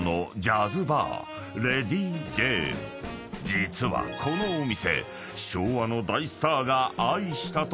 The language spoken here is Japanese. ［実はこのお店］